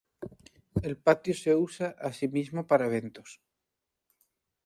El patio se usa asimismo para eventos.